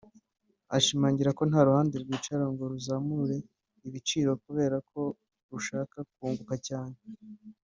Ashimangira ko nta ruhande rwicara ngo ruzamure ibiciro kubera ko rushaka kunguka cyane